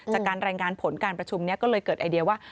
จากการรายงานผลการประชุมนี้ก็เลยเกิดไอเดียว่า